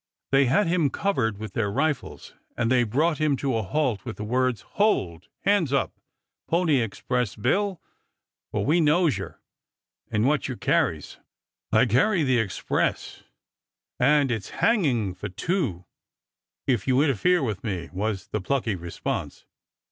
They had him covered with their rifles, and they brought him to a halt with the words, "Hold! Hands up, Pony Express Bill, for we knows yer, and what yer carries." "I carry the express; and it's hanging for two if you interfere with me," was the plucky response.